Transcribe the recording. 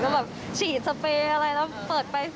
ก็แบบฉีดสเปย์อะไรแล้วเปิดไป